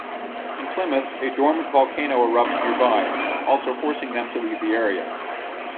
In Plymouth, a dormant volcano erupts nearby, also forcing them to leave the area.